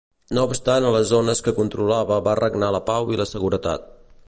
No obstant a les zones que controlava va regnar la pau i la seguretat.